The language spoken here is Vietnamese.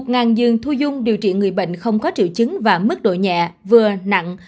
ngàn giường thu dung điều trị người bệnh không có triệu chứng và mức độ nhẹ vừa nặng